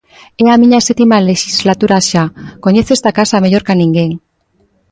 É a miña sétima lexislatura xa, coñezo esta casa mellor ca ninguén.